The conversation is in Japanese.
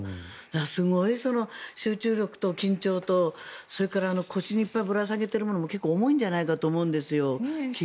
すごい集中力と緊張とそれから腰にいっぱいぶら下げているものも結構重いんじゃないかと思うんですよ。